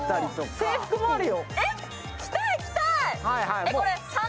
制服もあるよ。